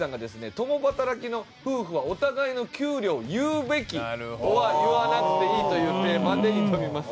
「共働きの夫婦はお互いの給料を言うべきｏｒ言わなくていい」というテーマで挑みます。